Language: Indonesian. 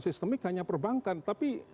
sistemik hanya perbankan tapi